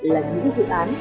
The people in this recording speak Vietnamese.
là những dự án